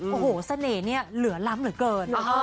โอ้โหเสน่ห์เนี่ยเหลือล้ำเหลือเกิน